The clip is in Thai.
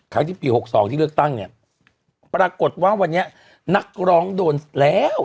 ที่ปี๖๒ที่เลือกตั้งเนี่ยปรากฏว่าวันนี้นักร้องโดนแล้ว